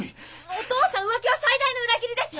お父さん浮気は最大の裏切りですよ！